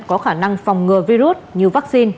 có khả năng phòng ngừa virus như vaccine